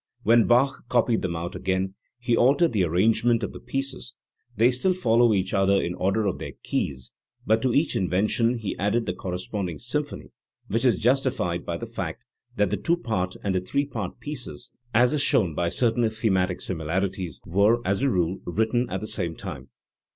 When Bach copied them out again he altered the arrangement of the pieces ; they still follow each other in the order of their keys, but to each invention he added the corresponding symphony, which is justified by the fact that the two part and the three part pieces, as is shown by certain thematic similarities, were, as a rule, written at the same time.